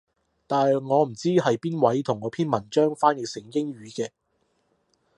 但係我唔知係邊位同我篇文章翻譯成英語嘅